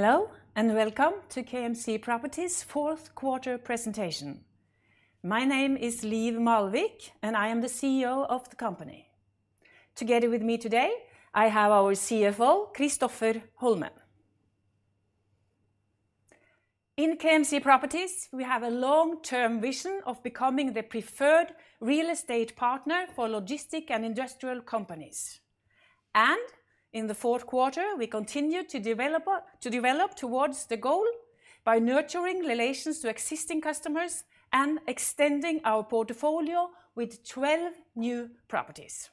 Hello, welcome to KMC Properties fourth quarter presentation. My name is Liv Malvik. I am the CEO of the company. Together with me today, I have our CFO, Kristoffer Holmen. In KMC Properties, we have a long-term vision of becoming the preferred real estate partner for logistics and industrial companies. In the fourth quarter, we continued to develop towards the goal by nurturing relations to existing customers and extending our portfolio with 12 new properties.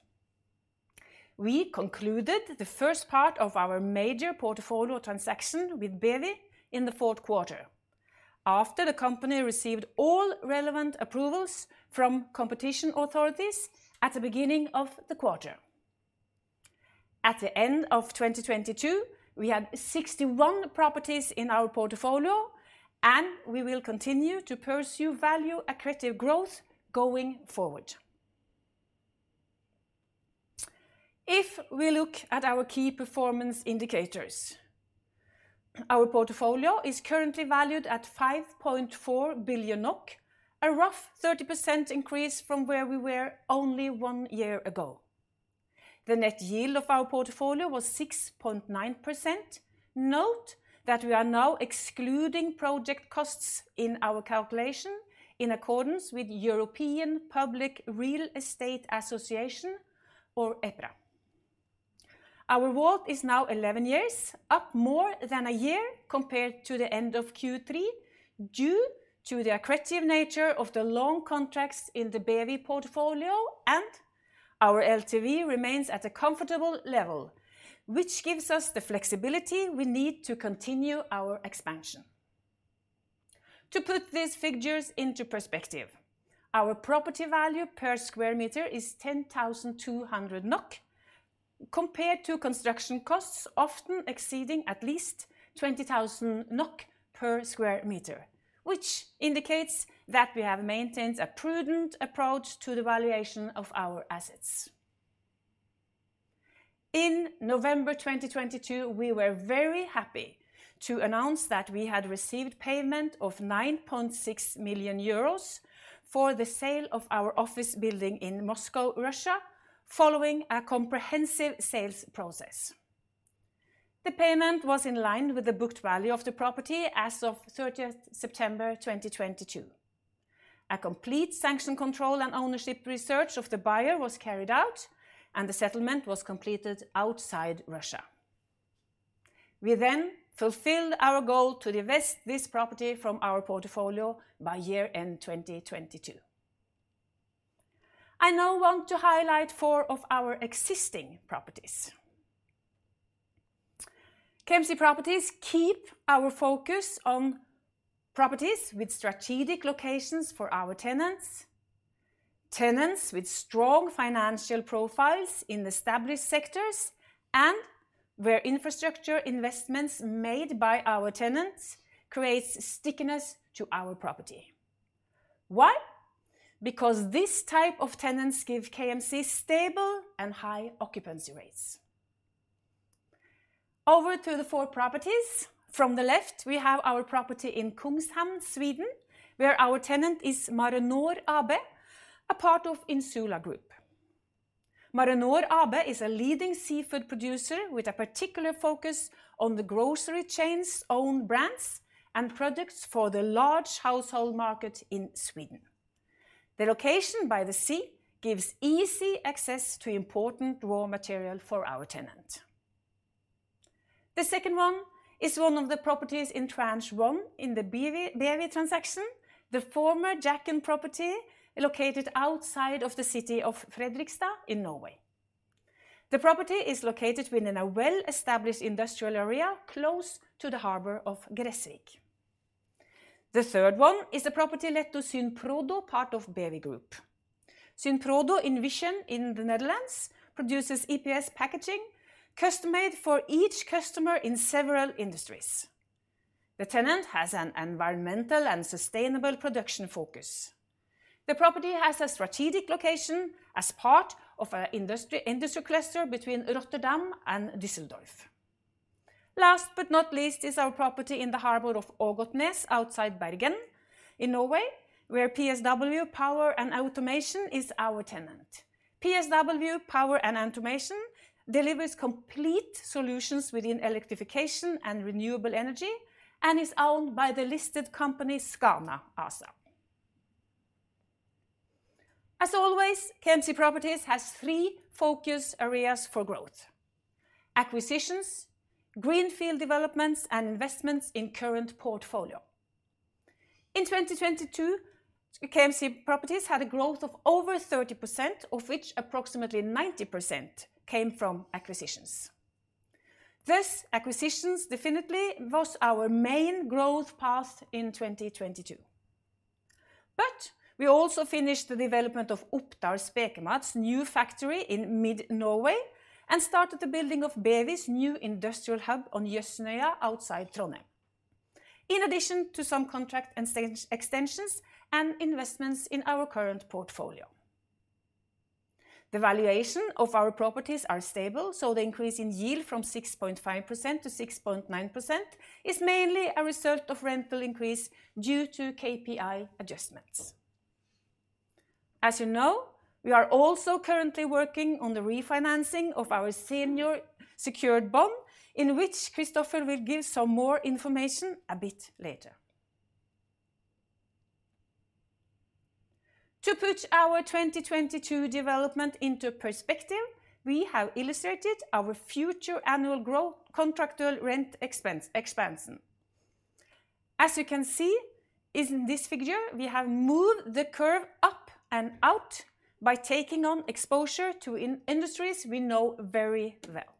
We concluded the first part of our major portfolio transaction with BEWI in the fourth quarter after the company received all relevant approvals from competition authorities at the beginning of the quarter. At the end of 2022, we had 61 properties in our portfolio. We will continue to pursue value accretive growth going forward. We look at our key performance indicators, our portfolio is currently valued at 5.4 billion NOK, a rough 30% increase from where we were only 1 year ago. The net yield of our portfolio was 6.9%. Note that we are now excluding project costs in our calculation in accordance with European Public Real Estate Association, or EPRA. Our WALT is now 11 years, up more than 1 year compared to the end of Q3 due to the accretive nature of the long contracts in the BEWI portfolio, and our LTV remains at a comfortable level, which gives us the flexibility we need to continue our expansion. To put these figures into perspective, our property value per square meter is 10,200 NOK compared to construction costs often exceeding at least 20,000 NOK per square meter, which indicates that we have maintained a prudent approach to the valuation of our assets. In November 2022, we were very happy to announce that we had received payment of 9.6 million euros for the sale of our office building in Moscow, Russia, following a comprehensive sales process. The payment was in line with the booked value of the property as of September 30, 2022. A complete sanction control and ownership research of the buyer was carried out, and the settlement was completed outside Russia. We the fulfilled our goal to divest this property from our portfolio by year-end 2022. I now want to highlight four of our existing properties. KMC Properties keep our focus on properties with strategic locations for our tenants with strong financial profiles in established sectors, and where infrastructure investments made by our tenants creates stickiness to our property. Why? This type of tenants give KMC stable and high occupancy rates. Over to the four properties. From the left, we have our property in Kungshamn, Sweden, where our tenant is Marenor AB, a part of Insula Group. Marenor AB is a leading seafood producer with a particular focus on the grocery chain's own brands and products for the large household market in Sweden. The location by the sea gives easy access to important raw material for our tenant. The second one is one of the properties in Tranche one in the BEWI transaction, the former Jekken property located outside of the city of Fredrikstad in Norway. The property is located within a well-established industrial area close to the harbor of Grenland. The third one is the property let to Synprodo, part of BEWI Group. Synprodo in Vlissingen in the Netherlands produces EPS packaging custom-made for each customer in several industries. The tenant has an environmental and sustainable production focus. The property has a strategic location as part of an industry cluster between Rotterdam and Düsseldorf. Last but not least is our property in the harbor of Ågotnes outside Bergen in Norway, where PSW Power and Automation is our tenant. PSW Power and Automation delivers complete solutions within electrification and renewable energy and is owned by the listed company Scana ASA. As always, KMC Properties has three focus areas for growth: acquisitions, greenfield developments, and investments in current portfolio. In 2022, KMC Properties had a growth of over 30%, of which approximately 90% came from acquisitions. Acquisitions definitely was our main growth path in 2022. We also finished the development of Oppdal Spekemats new factory in mid-Norway and started the building of BEWI's new industrial hub on Jøsnøya outside Trondheim. In addition to some contract extensions and investments in our current portfolio. The valuation of our properties are stable, so the increase in yield from 6.5% to 6.9% is mainly a result of rental increase due to KPI adjustments. As you know, we are also currently working on the refinancing of our senior secured bond, in which Kristoffer will give some more information a bit later. To put our 2022 development into perspective, we have illustrated our future annual growth contractual rent expansion. As you can see in this figure, we have moved the curve up and out by taking on exposure to industries we know very well.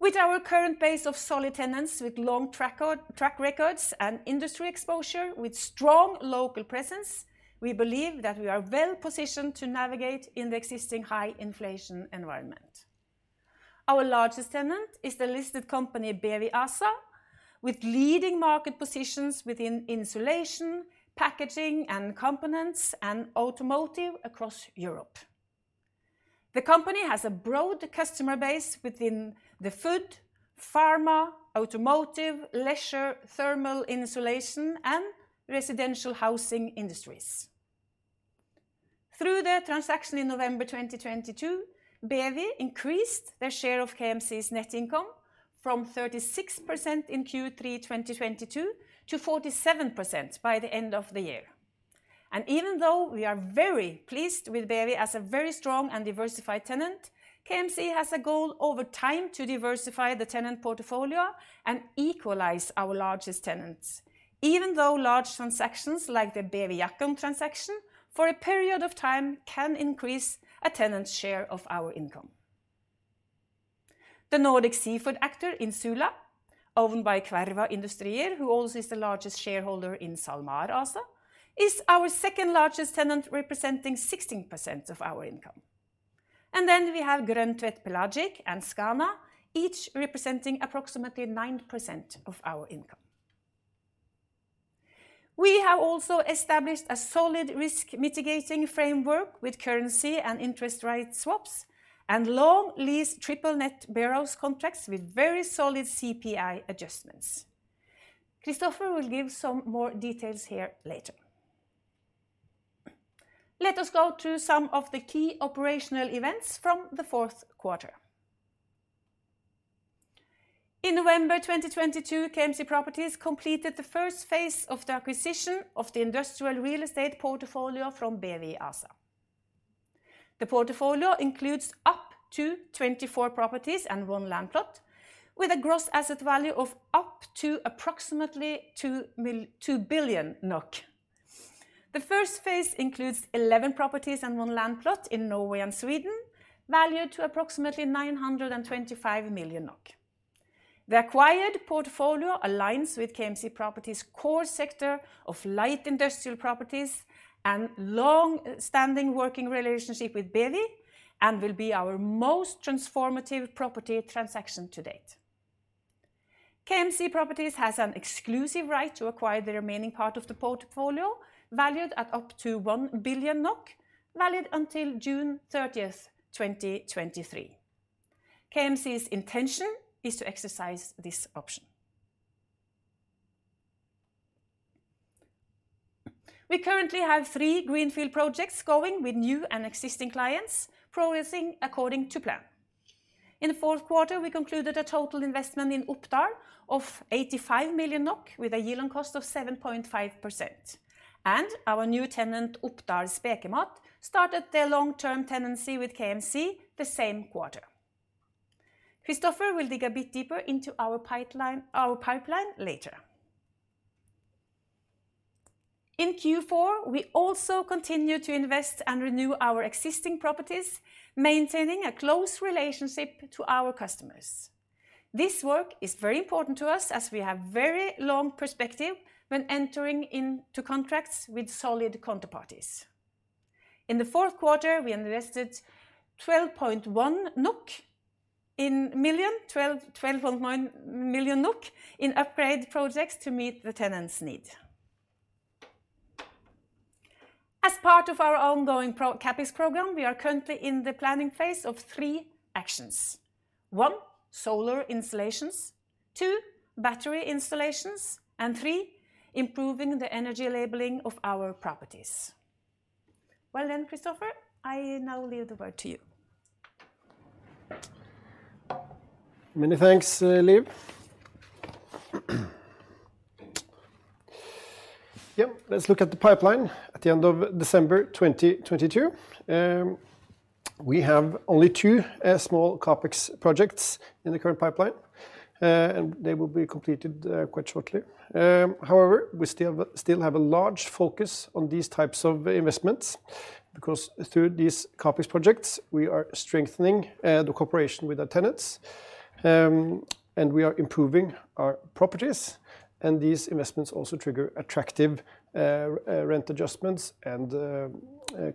With our current base of solid tenants with long track records and industry exposure with strong local presence, we believe that we are well-positioned to navigate in the existing high inflation environment. Our largest tenant is the listed company BEWI ASA, with leading market positions within insulation, packaging, and components, and automotive across Europe. The company has a broad customer base within the food, pharma, automotive, leisure, thermal insulation, and residential housing industries. Through their transaction in November 2022, BEWI increased their share of KMC's net income from 36% in Q3 2022 to 47% by the end of the year. Even though we are very pleased with BEWI as a very strong and diversified tenant, KMC has a goal over time to diversify the tenant portfolio and equalize our largest tenants. Even though large transactions like the BEWI Jakobsland transaction for a period of time can increase a tenant's share of our income. The Nordic seafood actor Insula, owned by Kverva Industrier, who also is the largest shareholder in SalMar ASA, is our second-largest tenant, representing 16% of our income. We have Grøntvedt Pelagic and Scana, each representing approximately 9% of our income. We have also established a solid risk mitigating framework with currency and interest rate swaps and long lease triple net barehouse contracts with very solid CPI adjustments. Kristoffer will give some more details here later. Let us go through some of the key operational events from the fourth quarter. In November 2022, KMC Properties completed the first phase of the acquisition of the industrial real estate portfolio from BEWI ASA. The portfolio includes up to 24 properties and one land plot, with a gross asset value of up to approximately 2 billion NOK. The first phase includes 11 properties and one land plot in Norway and Sweden, valued to approximately 925 million NOK. The acquired portfolio aligns with KMC Properties' core sector of light industrial properties and long-standing working relationship with BEWI and will be our most transformative property transaction to date. KMC Properties has an exclusive right to acquire the remaining part of the portfolio, valued at up to 1 billion NOK, valid until June 30th, 2023. KMC's intention is to exercise this option. We currently have three greenfield projects going with new and existing clients, progressing according to plan. In the fourth quarter, we concluded a total investment in Oppdal of 85 million NOK with a yield on cost of 7.5%, and our new tenant, Oppdal Spekemat, started their long-term tenancy with KMC the same quarter. Kristoffer will dig a bit deeper into our pipeline later. In Q4, we also continued to invest and renew our existing properties, maintaining a close relationship to our customers. This work is very important to us as we have very long perspective when entering into contracts with solid counterparties. In the fourth quarter, we invested 12.1 million NOK in upgrade projects to meet the tenants' need. As part of our ongoing CapEx program, we are currently in the planning phase of three actions. One, solar installations; two, battery installations; and three, improving the energy labeling of our properties. Well now Kristoffer, I now leave the word to you. Many thanks, Liv. Yeah, let's look at the pipeline at the end of December 2022. We have only two small CapEx projects in the current pipeline, and they will be completed quite shortly. However, we still have a large focus on these types of investments because through these CapEx projects, we are strengthening the cooperation with our tenants, and we are improving our properties, and these investments also trigger attractive rent adjustments and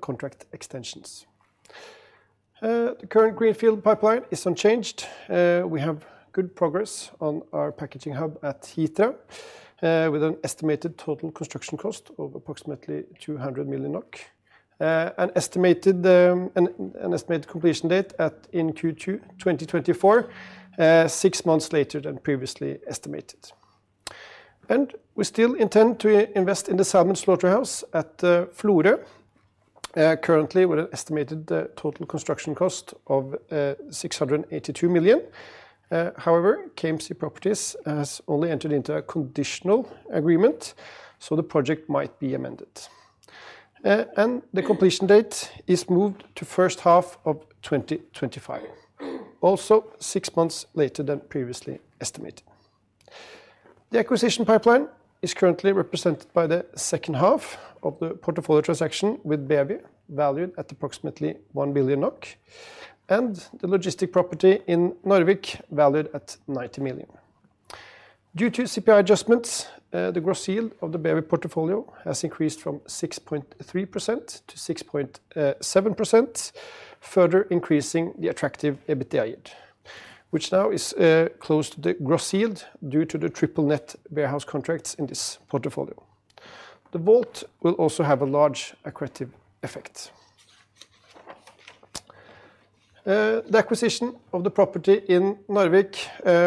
contract extensions. The current greenfield pipeline is unchanged. We have good progress on our packaging hub at Heathrow, with an estimated total construction cost of approximately 200 million NOK. An estimated completion date in Q2 2024, six months later than previously estimated. And we still intend to invest in the salmon slaughterhouse at Florø, currently with an estimated total construction cost of 682 million. However, KMC Properties has only entered into a conditional agreement, so the project might be amended. The completion date is moved to first half of 2025, also 6 months later than previously estimated. The acquisition pipeline is currently represented by the second half of the portfolio transaction with BEWI, valued at approximately 1 billion NOK, and the logistic property in Narvik, valued at 90 million. Due to CPI adjustments, the gross yield of the BEWI portfolio has increased from 6.3% to 6.7%, further increasing the attractive EBITDA yield, which now is close to the gross yield due to the triple net warehouse contracts in this portfolio. The vault will also have a large accretive effect. The acquisition of the property in Narvik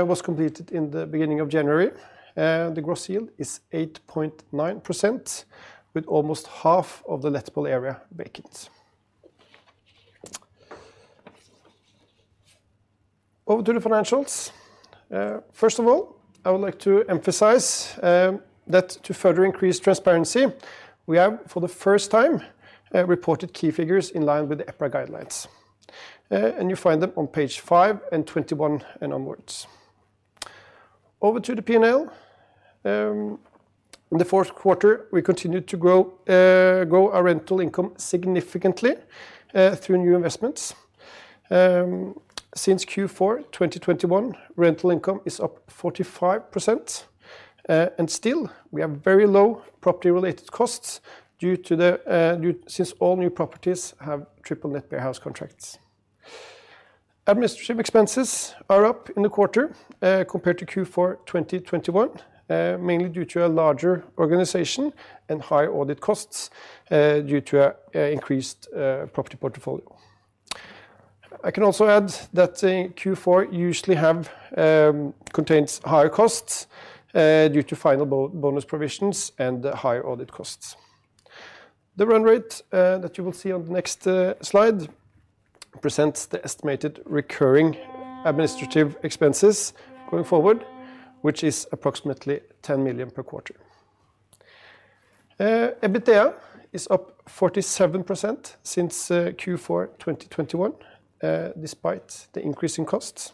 was completed in the beginning of January. The gross yield is 8.9% with almost half of the lettable area vacant. Over to the financials. First of all, I would like to emphasize that to further increase transparency, we have, for the first time, reported key figures in line with the EPRA guidelines, and you find them on page 5 and 21 and onwards. Over to the P&L. In the fourth quarter, we continued to grow our rental income significantly through new investments. Since Q4 2021, rental income is up 45%. Still, we have very low property-related costs since all new properties have triple net warehouse contracts. Administrative expenses are up in the quarter, compared to Q4 2021, mainly due to a larger organization and higher audit costs, due to an increased property portfolio. I can also add that Q4 usually contains higher costs, due to final bonus provisions and higher audit costs. The run rate that you will see on the next slide presents the estimated recurring administrative expenses going forward, which is approximately 10 million per quarter. EBITDA is up 47% since Q4 2021, despite the increase in costs.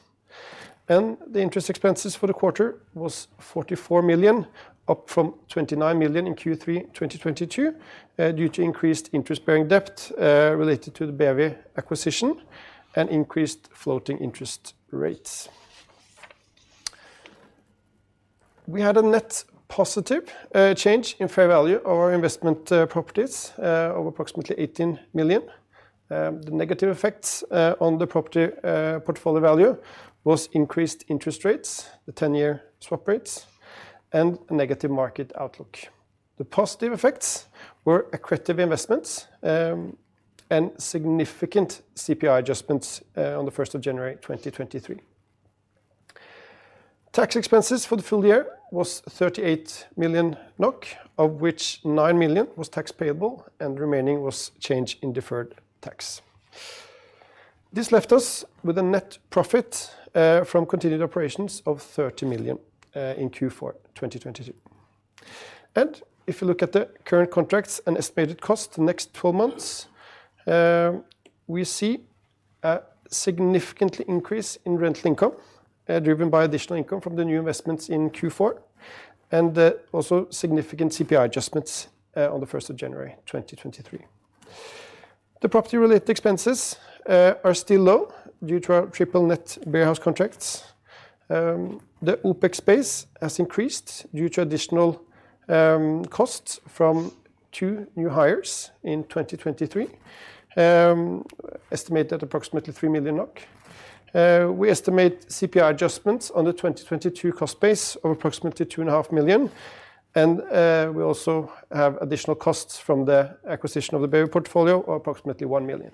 The interest expenses for the quarter was 44 million, up from 29 million in Q3 2022, due to increased interest-bearing debt, related to the BEWI acquisition and increased floating interest rates. We had a net positive change in fair value of our investment properties of approximately 18 million. The negative effects on the property portfolio value was increased interest rates, the ten-year swap rates, and a negative market outlook. The positive effects were accretive investments and significant CPI adjustments on the first of January 2023. Tax expenses for the full year was 38 million NOK, of which 9 million was tax payable and the remaining was change in deferred tax. This left us with a net profit from continued operations of 30 million in Q4 2022. If you look at the current contracts and estimated cost the next 12 months, we see a significant increase in rental income, driven by additional income from the new investments in Q4, also significant CPI adjustments on the 1st of January 2023. The property-related expenses are still low due to our triple net warehouse contracts. The OpEx base has increased due to additional costs from 2 new hires in 2023, estimated at approximately 3 million NOK. We estimate CPI adjustments on the 2022 cost base of approximately two and a half million, we also have additional costs from the acquisition of the BEWI portfolio of approximately 1 million.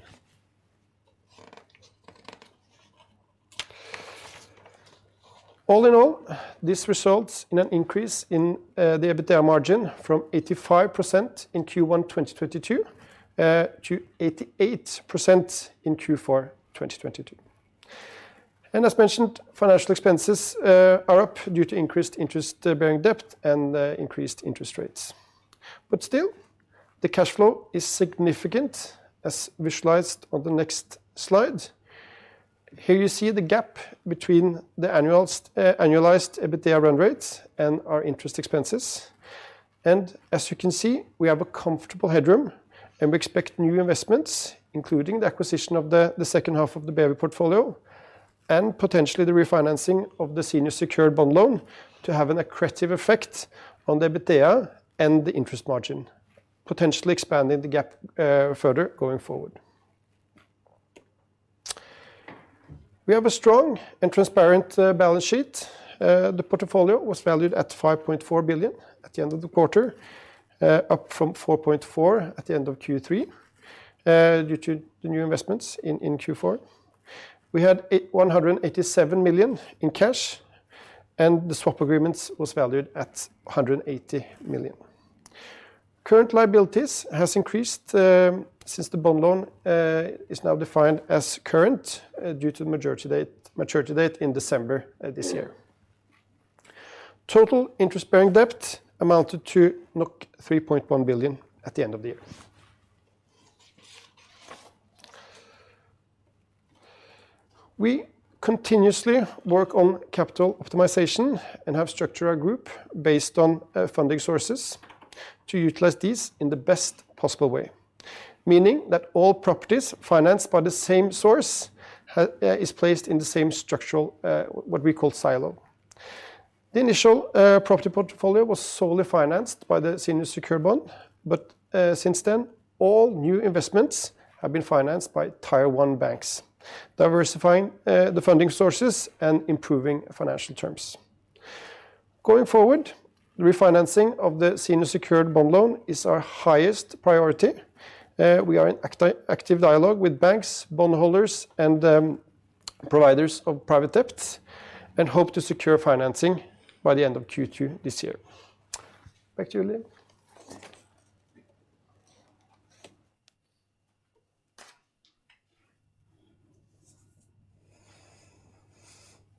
All in all, this results in an increase in the EBITDA margin from 85% in Q1 2022 to 88% in Q4 2022. As mentioned, financial expenses are up due to increased interest-bearing debt and increased interest rates. Still, the cash flow is significant, as visualized on the next slide. Here you see the gap between the annualized EBITDA run rates and our interest expenses. As you can see, we have a comfortable headroom, and we expect new investments, including the acquisition of the second half of the BEWI portfolio. Potentially the refinancing of the senior secured bond loan to have an accretive effect on the EBITDA and the interest margin, potentially expanding the gap further going forward. We have a strong and transparent balance sheet. The portfolio was valued at 5.4 billion at the end of the quarter, up from 4.4 billion at the end of Q3, due to the new investments in Q4. We had 187 million in cash, and the swap agreements was valued at 180 million. Current liabilities has increased, since the bond loan is now defined as current, due to the maturity date in December this year. Total interest-bearing debt amounted to 3.1 billion at the end of the year. We continuously work on capital optimization and have structured our group based on funding sources to utilize these in the best possible way, meaning that all properties financed by the same source is placed in the same structural, what we call silo. The initial property portfolio was solely financed by the senior secured bond, but since then, all new investments have been financed by Tier 1 banks, diversifying the funding sources and improving financial terms. Going forward, refinancing of the senior secured bond loan is our highest priority. We are in active dialogue with banks, bondholders, and providers of private debt, and hope to secure financing by the end of Q2 this year. Back to you, Liv.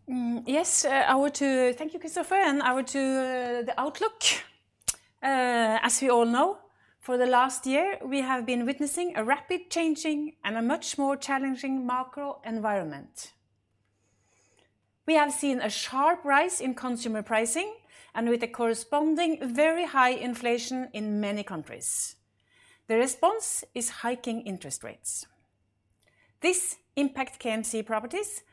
Yes. I want to thank you, Kristoffer, I want to the outlook. As we all know, for the last year, we have been witnessing a rapid changing and a much more challenging macro environment. We have seen a sharp rise in consumer pricing and with a corresponding very high inflation in many countries. The response is hiking interest rates. This impact KMC Properties,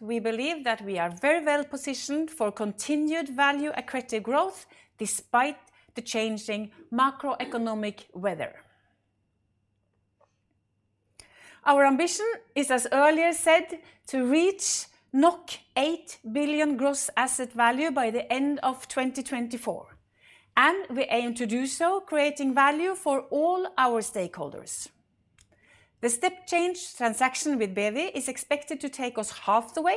we believe that we are very well positioned for continued value accretive growth despite the changing macroeconomic weather. Our ambition is, as earlier said, to reach 8 billion gross asset value by the end of 2024, we aim to do so creating value for all our stakeholders. The step change transaction with BEWI is expected to take us half the way,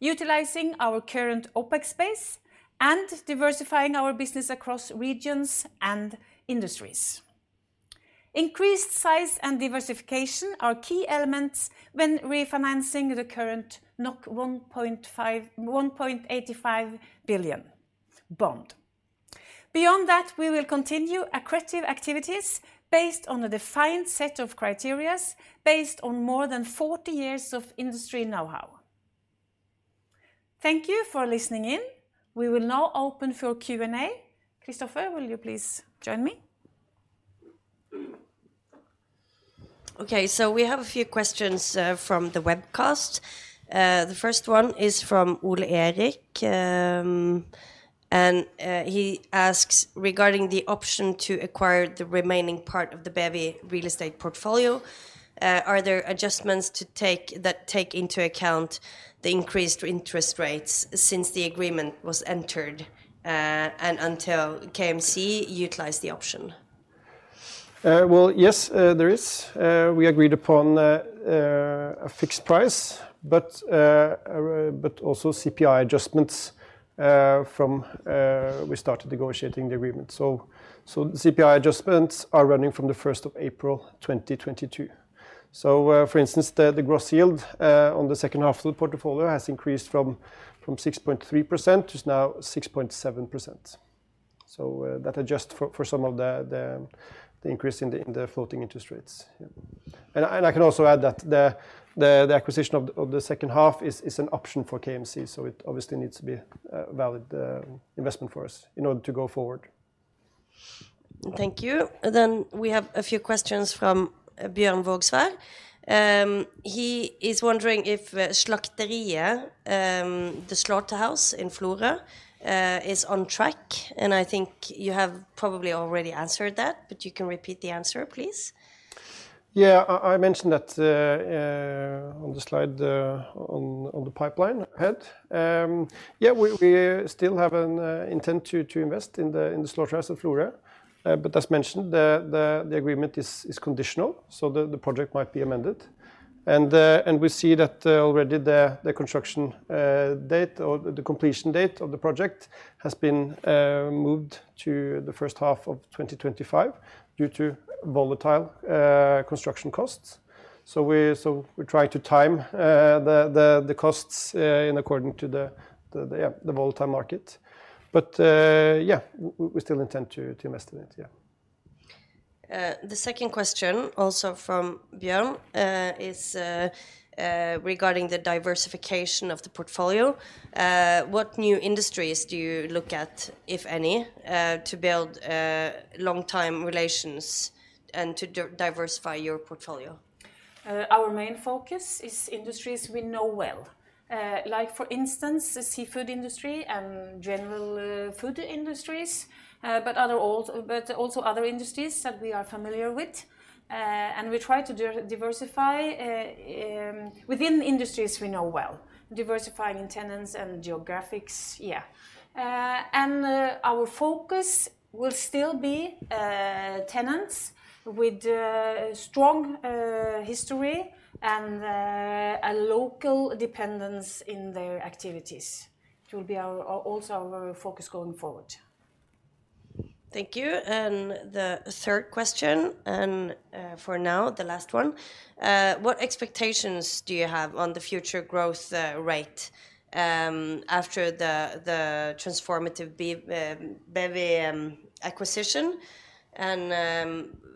utilizing our current OpEx space and diversifying our business across regions and industries. Increased size and diversification are key elements when refinancing the current 1.85 billion bond. Beyond that, we will continue accretive activities based on a defined set of criteria based on more than 40 years of industry know-how. Thank you for listening in. We will now open for Q&A. Kristoffer, will you please join me? We have a few questions from the webcast. The first one is from Ole-Erik. He asks, regarding the option to acquire the remaining part of the BEWI real estate portfolio, are there adjustments that take into account the increased interest rates since the agreement was entered and until KMC utilized the option? Yes, there is. We agreed upon a fixed price, but also CPI adjustments from we started negotiating the agreement. The CPI adjustments are running from the 1st of April 2022. For instance, the gross yield on the second half of the portfolio has increased from 6.3% to now 6.7%. That adjust for some of the increase in the floating interest rates. I can also add that the acquisition of the second half is an option for KMC, it obviously needs to be a valid investment for us in order to go forward. Thank you. We have a few questions from Bjørn Vøgsfjord. He is wondering if Slakteriet, the slaughterhouse in Florø, is on track. I think you have probably already answered that, but you can repeat the answer, please. Yeah. I mentioned that on the slide on the pipeline ahead. Yeah, we still have an intent to invest in the slaughterhouse of Florø. As mentioned, the agreement is conditional, so the project might be amended. We see that already the construction date or the completion date of the project has been moved to the first half of 2025 due to volatile construction costs. We try to time the costs in according to the volatile market. But, yeah, we still intend to invest in it, yeah. The second question also from Bjorn is regarding the diversification of the portfolio. What new industries do you look at, if any, to build long-time relations and to diversify your portfolio? Our main focus is industries we know well, like for instance, the seafood industry and general food industries, but also other industries that we are familiar with. We try to diversify, within industries we know well, diversifying in tenants and geographics. Yeah. Our focus will still be, tenants with a strong history and a local dependence in their activities. It will be also our focus going forward. Thank you. The third question, for now, the last one. What expectations do you have on the future growth rate after the transformative BEWI acquisition?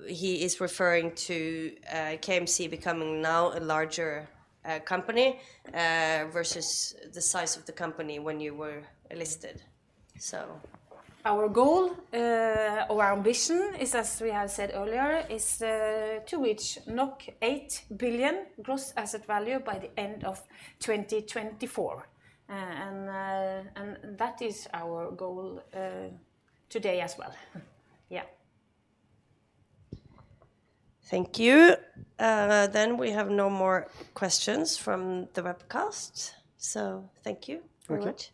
He is referring to KMC becoming now a larger company versus the size of the company when you were listed. Our goal, or our ambition is, as we have said earlier, is to reach 8 billion gross asset value by the end of 2024. And that is our goal today as well. Yeah. Thank you. Then we have no more questions from the webcast, thank you very much.